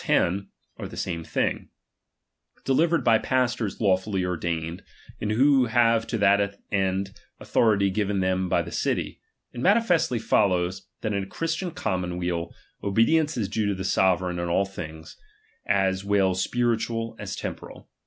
10, are the same thing), delivered by pjistors lawfully ordained, and who have to that end authority given them by the city ; it mani festly follows, that in a Christian commonweal obedience is due to the sovereign in all things, as well spiritual as temporal.